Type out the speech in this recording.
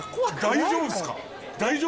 大丈夫ですか？